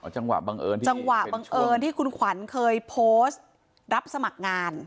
จังหวะบังเอิญที่คุณขวัญเคยโพสต์รับสมัครงาน